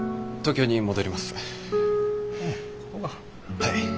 はい。